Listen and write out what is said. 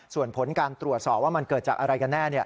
ส่วนผลการตรวจสอบว่ามันเกิดจากอะไรกันแน่